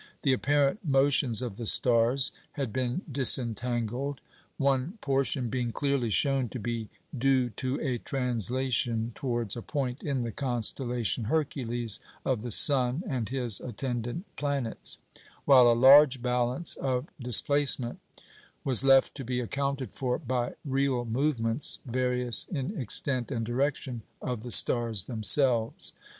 The apparent motions of the stars had been disentangled; one portion being clearly shown to be due to a translation towards a point in the constellation Hercules of the sun and his attendant planets; while a large balance of displacement was left to be accounted for by real movements, various in extent and direction, of the stars themselves.